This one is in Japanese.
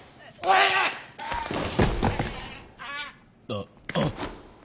あっあっ！